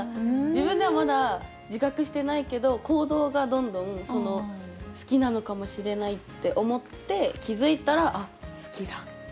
自分ではまだ自覚してないけど行動がどんどん好きなのかもしれないって思って気付いたらあっ好きだ。